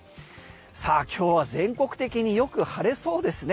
今日は全国的によく晴れそうですね。